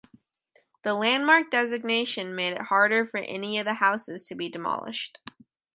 The landmark designation made it harder for any of the houses to be demolished.